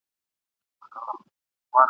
چي حملې نه له پردیو وي نه خپلو !.